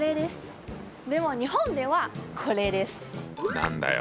何だよ？